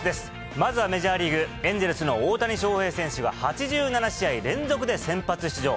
まずはメジャーリーグ・エンゼルスの大谷翔平選手が８７試合連続で先発出場。